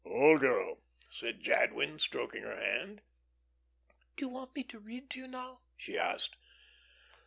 "Old girl!" said Jadwin, stroking her hand. "Do you want me to read to you now?" she asked.